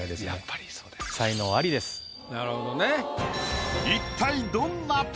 なるほどね。